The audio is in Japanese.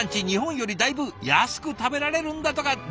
日本よりだいぶ安く食べられるんだとか。